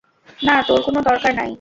না, তার কোনো দরকার নাই।